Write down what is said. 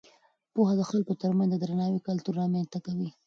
پوهه د خلکو ترمنځ د درناوي کلتور رامینځته کوي.